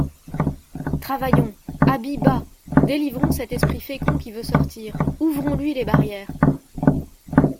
Travaillons ! Habit bas ! Délivrons cet esprit fécond qui veut sortir, ouvrons-lui les barrières.